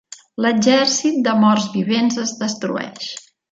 L'exèrcit de morts vivents es destrueix.